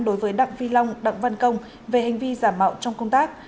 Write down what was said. đối với đặng phi long đặng văn công về hành vi giả mạo trong công tác